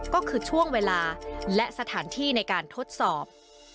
ก็คือช่วงเวลาและสถานที่ในการทดสอบ